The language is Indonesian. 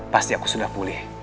pasti aku sudah pulih